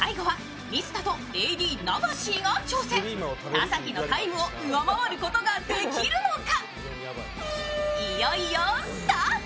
田崎のタイムを上回ることができるのか？